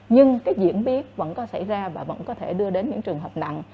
nhưng cái diễn biến vẫn có xảy ra và vẫn có thể đưa đến những trường hợp nặng